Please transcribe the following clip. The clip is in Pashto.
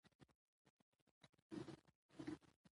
کلتور د افغان نجونو د پرمختګ لپاره ډېر ښه فرصتونه په نښه کوي.